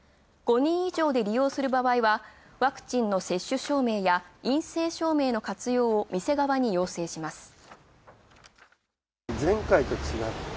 ５人以上で利用する場合は、ワクチンの接種証明や陰性証明の活用を店側に要請します。